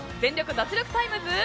脱力タイムズ」